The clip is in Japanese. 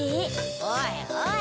おいおい。